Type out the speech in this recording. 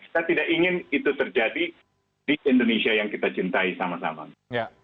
kita tidak ingin itu terjadi di indonesia yang kita cintai sama sama